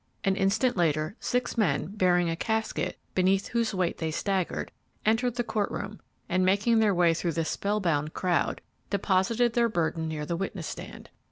An instant later, six men, bearing a casket beneath whose weight they staggered, entered the court room and, making their way through the spell bound crowd, deposited their burden near the witness stand.